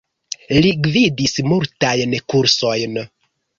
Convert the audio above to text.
Li gvidis multajn kursojn.